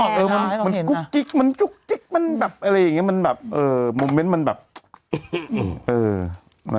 แหละแหละแหละแหละแหละแหละแหละแหละแหละแหละแหละแหละ